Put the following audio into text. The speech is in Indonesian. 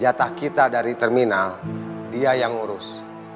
jatah kita dari terminal dia yang ngurus